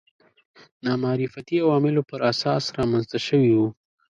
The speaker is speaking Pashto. نامعرفتي عواملو پر اساس رامنځته شوي وو